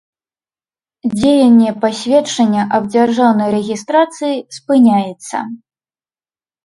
Дзеянне пасведчання аб дзяржаўнай рэгiстрацыi спыняецца.